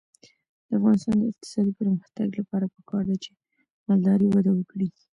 د افغانستان د اقتصادي پرمختګ لپاره پکار ده چې مالداري وده وکړي.